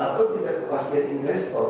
atau tidak kepas diatasi investor